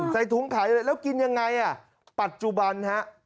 ใส่ถุงขายแล้วกินยังไงอ่ะปัจจุบันฮะ